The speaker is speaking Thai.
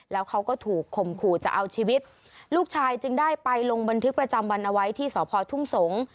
แล้วเขาก็ถูกข่มขู่จะเอาชีวิตลูกชายจึงได้ไปลงบันทึกประจำวันเอาไว้ที่สพทุ่งสงศ์